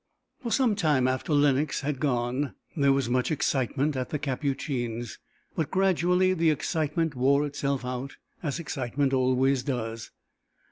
For some time after Lenox had gone there was much excitement at the Capucines. But gradually the excitement wore itself out, as excitement always does.